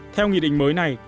theo nghị định mới này